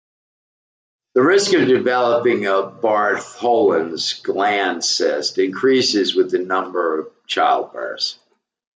The risk of developing a Bartholin's gland cyst increases with the number of childbirths.